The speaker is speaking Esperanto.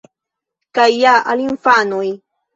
Kaj ja al infanoj!